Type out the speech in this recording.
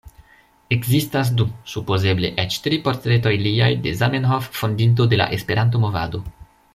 Ekzistas du, supozeble eĉ tri portretoj liaj de Zamenhof fondinto de la Esperanto-movado.